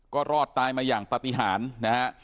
ก็รอดตายมาอย่างปฏิหารนะฮะ